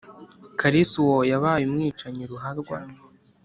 Kalisa uwo yabaye umwicanyi ruharwa